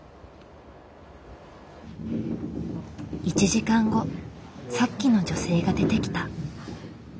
１時間後さっきの女性が出てきた。